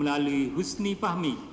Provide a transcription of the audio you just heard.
dari husni pahmi